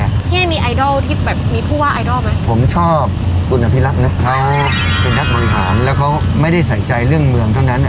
พี่เอมีไอดอลที่แบบมีผู้ว่าไอดอลไหมผมชอบคุณอภิรักษ์เขาเป็นนักบริหารแล้วเขาไม่ได้ใส่ใจเรื่องเมืองทั้งนั้นอ่ะ